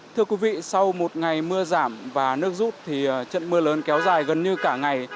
thưa quý vị sau một ngày mưa giảm và nước rút trận mưa lớn kéo dài gần như cả ngày